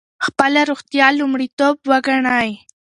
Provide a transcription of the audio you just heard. خپله روغتیا لومړیتوب وګڼئ.